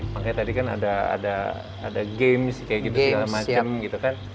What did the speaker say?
makanya tadi kan ada games sih kayak gitu segala macem gitu kan